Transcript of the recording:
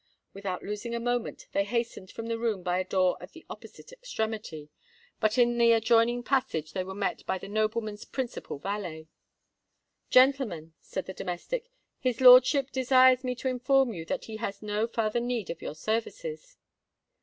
Without losing a moment, they hastened from the room by a door at the opposite extremity; but in the adjoining passage they were met by the nobleman's principal valet. "Gentlemen," said the domestic, "his lordship desires me to inform you that he has no farther need of your services."